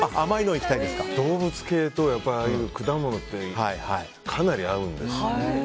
動物系と、ああいう果物ってかなり合うんです。